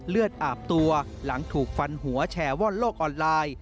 เลือดอาบตัวหลังถูกฟันหัวแชร์ว่อนโลกออนไลน์